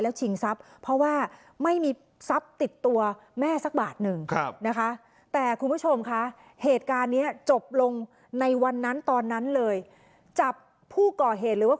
แล้วไม่น่าทำกับแกเลยแกไม่มีชิดไม่มีภัยกับใครเลย